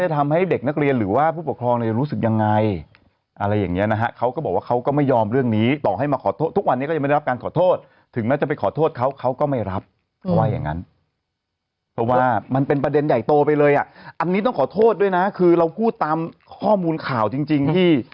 ทำให้เด็กนักเรียนหรือว่าผู้ปกครองเนี่ยรู้สึกยังไงอะไรอย่างเงี้ยนะฮะเขาก็บอกว่าเขาก็ไม่ยอมเรื่องนี้ต่อให้มาขอโทษทุกวันนี้ก็ยังไม่ได้รับการขอโทษถึงแม้จะไปขอโทษเขาเขาก็ไม่รับเขาว่าอย่างนั้นเพราะว่ามันเป็นประเด็นใหญ่โตไปเลยอ่ะอันนี้ต้องขอโทษด้วยนะคือเราพูดตามข้อมูลข่าวจริงจริงที่